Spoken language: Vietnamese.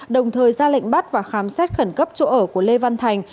đồng thời ra lệnh bắt và khám xét khẩn cấp chỗ ở của lê văn thành